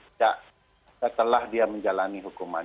setelah dia menjalani hukuman